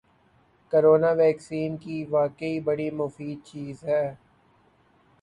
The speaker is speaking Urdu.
کورونا ویکسین واقعی بڑی مفید چیز ہے